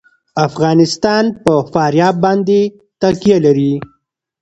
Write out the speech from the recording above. افغانستان په فاریاب باندې تکیه لري.